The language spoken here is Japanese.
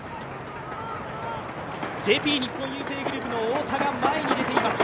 日本郵政グループの太田が前に出ています。